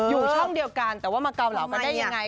อยู่ช่องเดียวกันแต่ว่ามาเกาเหลากันได้ยังไง